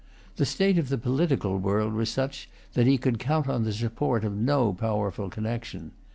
The state of the political world was such that he could count on the support of no powerful connection.